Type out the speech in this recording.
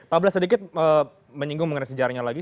pak blas sedikit menyinggung mengenai sejarahnya lagi